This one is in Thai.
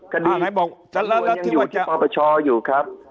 คดีตัวยังอยู่ที่ปรปชอยู่ครับ